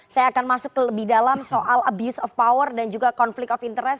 saya akan masuk ke lebih dalam soal abuse of power dan juga konflik of interest